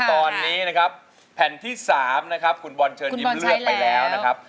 ตอนนี้นะครับแผ่นที่๓นะครับคุณบอลเชิญยิ้มเลือกไปแล้วนะครับ